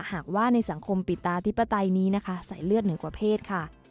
หากว่าในสังคมปิตาธิปไตยนี้นะคะใส่เลือดเหนือกว่าเพศค่ะ